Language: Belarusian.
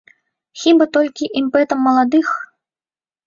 Хіба толькі імпэтам маладых?